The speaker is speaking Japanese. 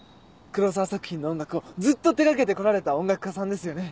黒沢作品の音楽をずっと手掛けて来られた音楽家さんですよね？